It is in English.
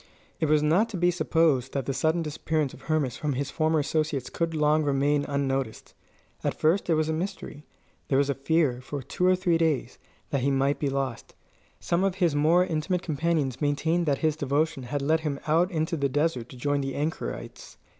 It was not to be supposed that the sudden disappearance of Hermas from among his former associates could long remain unnoticed. At first it was a mystery. There was a fear, for two or three days, that he might be lost. Some of his more intimate companions maintained that his devotion had led him out into the desert to join the anchorites.